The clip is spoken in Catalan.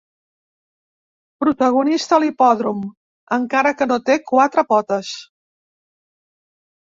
Protagonista a l'hipòdrom, encara que no té quatre potes.